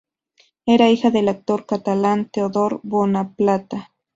Era hija del actor catalán Teodor Bonaplata.